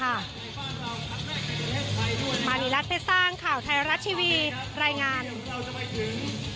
มาริรัติเป็นสร้างข่าวไทยรัฐชีวีรายงาน